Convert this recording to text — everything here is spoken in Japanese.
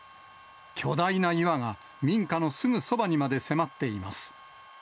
巨大な岩が、民家のすぐそばにまで迫っています。